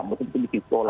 betul betul bikin sekolah